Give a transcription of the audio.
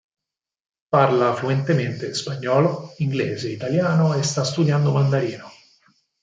Parla fluentemente spagnolo, inglese, italiano e sta studiando mandarino.